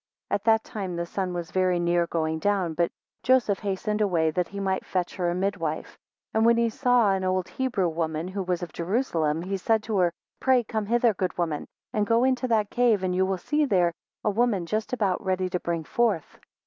7 At that time the sun was very near going down. 8 But Joseph hastened away, that he might fetch her a midwife; and when he saw an old Hebrew woman who was of Jerusalem, he said to her, Pray come hither, good woman, and go into that cave, and you will there see a woman just ready to bring forth.